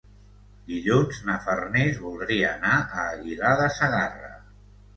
Dilluns na Farners voldria anar a Aguilar de Segarra.